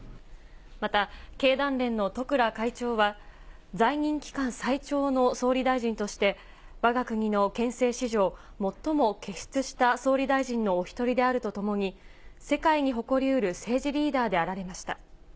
また経団連の十倉会長は、在任期間最長の総理大臣として、わが国の憲政史上、もっとも傑出した総理大臣のお一人であるとともに、世界に誇りうる政治リーダーであられました。